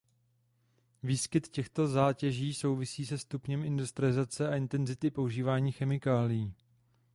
Výskyt těchto zátěží souvisí se stupněm industrializace a intenzity používání chemikálií.